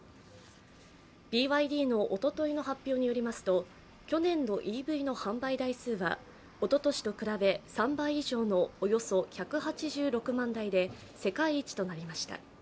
ＢＹＤのおとといの発表によりますと去年のＥＶの販売台数はおととしと比べ３倍以上のおよそ１８６万台で世界一となりました。